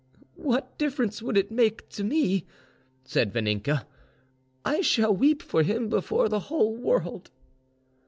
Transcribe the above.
"What difference would it make to me?" said Vaninka. "I shall weep for him before the whole world."